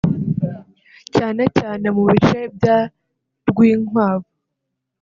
cyane cyane mu bice bya Rwinkwavu